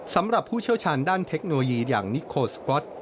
ผู้เชี่ยวชาญด้านเทคโนโลยีอย่างนิโคสก๊อต